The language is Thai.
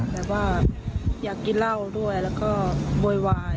แต่ว่าอยากกินเหล้าด้วยแล้วก็โวยวาย